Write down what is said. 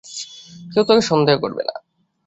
কেউ তোকে সন্দেহ করবে না।